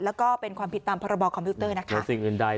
แล้วก็เป็นความผิดตามพรบคอมพิวเตอร์นะคะหรือสิ่งอื่นใด